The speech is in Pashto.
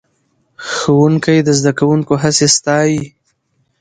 ښوونکی د زده کوونکو هڅې ستایي